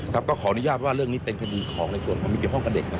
ขออนุญาตว่าเรื่องนี้เป็นคดีของมิตรภงกับเด็ก